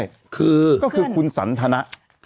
ก็คือคุณสันทนะ